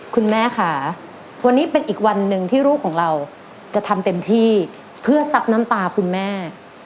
คุณแม่ค่ะวันนี้เป็นอีกวันหนึ่งที่ลูกของเราจะทำเต็มที่เพื่อซับน้ำตาคุณแม่